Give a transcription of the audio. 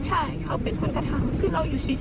ใช่เขาเป็นคนกระทำคือเราอยู่เฉย